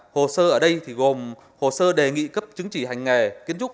hồ sơ ở đây gồm hồ sơ đề nghị cấp chứng chỉ hành nghề kiến trúc